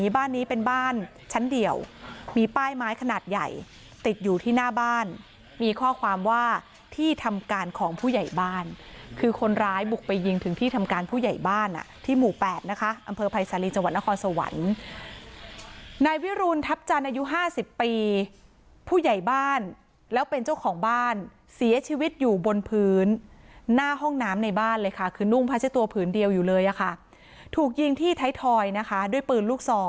บ้านนี้เป็นบ้านชั้นเดี่ยวมีป้ายไม้ขนาดใหญ่ติดอยู่ที่หน้าบ้านมีข้อความว่าที่ทำการของผู้ใหญ่บ้านคือคนร้ายบุกไปยิงถึงที่ทำการผู้ใหญ่บ้านอ่ะที่หมู่๘นะคะอำเภอภัยสาลีจังหวัดนครสวรรค์นายวิรุณทัพจันทร์อายุ๕๐ปีผู้ใหญ่บ้านแล้วเป็นเจ้าของบ้านเสียชีวิตอยู่บนพื้นหน้าห้องน้ำในบ้านเลยค่ะคื